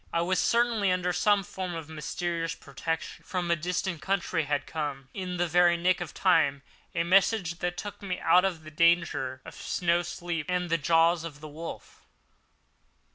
I was certainly under some form of mysterious protection. From a distant country had come, in the very nick of time, a message that took me out of the danger of the snow sleep and the jaws of the wolf.